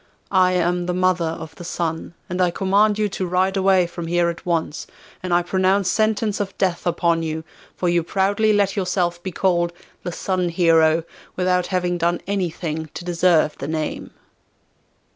I am the mother of the Sun, and I command you to ride away from here at once, and I pronounce sentence of death upon you, for you proudly let yourself be called the Sun Hero without having done anything to deserve the name.